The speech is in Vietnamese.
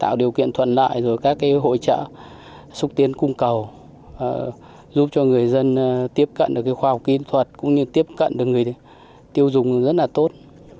tạo điều kiện thuận lợi rồi các cái hội trợ xúc tiến cung cầu giúp cho người dân tiếp cận được khoa học kỹ thuật cũng như tiếp cận được người tiêu dùng rất là tốt